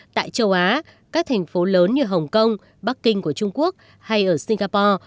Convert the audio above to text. tại châu á các thành phố lớn như hồng kông bắc kinh của trung quốc hay ở singapore